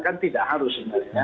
kan tidak harus sebenarnya